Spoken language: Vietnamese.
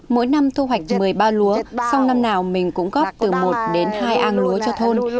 mỗi năm thu hoạch một mươi ba lúa xong năm nào mình cũng góp từ một đến hai ang lúa cho thôn